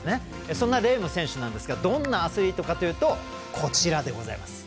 そんなレーム選手なんですがどんなアスリートかというとこちらでございます。